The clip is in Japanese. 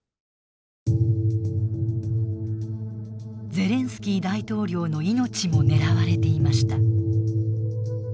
ゼレンスキー大統領の命も狙われていました。